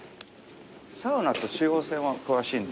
サウナと中央線は詳しいんで。